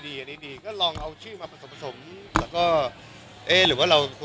แล้วก็เอาเหมือนลูกร้าว